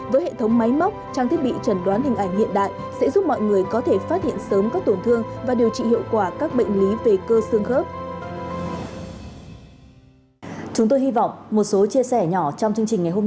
với hệ thống máy móc trang thiết bị trần đoán hình ảnh hiện đại sẽ giúp mọi người có thể phát hiện sớm các tổn thương và điều trị hiệu quả các bệnh lý về cơ xương khớp